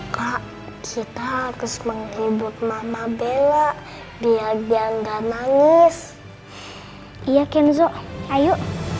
kak kita harus menghibur mama bella biar dia nggak nangis iya kenzo ayo